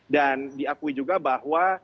dan diakui juga bahwa